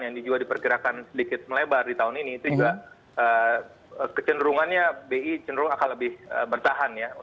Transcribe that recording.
yang juga diperkirakan sedikit melebar di tahun ini itu juga kecenderungannya bi cenderung akan lebih bertahan ya